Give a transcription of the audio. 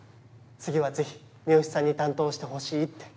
次はぜひ三好さんに担当してほしいって。